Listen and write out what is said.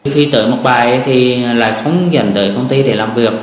khi tới một bài thì lại không dành tới công ty để làm việc